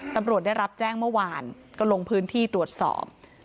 ตำรวจได้รับแจ้งเมื่อวานก็ลงพื้นที่ตรวจสอบ